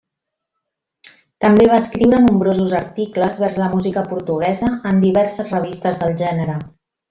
També va escriure nombrosos articles vers la música portuguesa en diverses revistes del gènere.